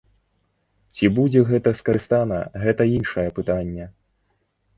Ці будзе гэта скарыстана, гэта іншае пытанне.